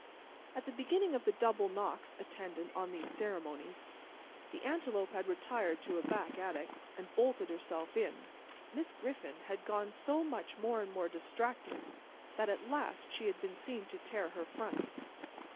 At the beginning of the double knocks attendant on these ceremonies, the antelope had retired to a back attic, and bolted herself in; and at every new arrival, Miss Griffin had gone so much more and more distracted, that at last she had been seen to tear her front.